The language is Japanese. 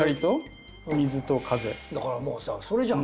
だからもうさそれじゃん。